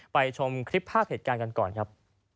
ชมคลิปภาพเหตุการณ์กันก่อนครับ